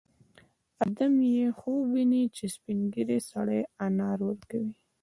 ادې یې خوب ویني چې سپین ږیری سړی انار ورکوي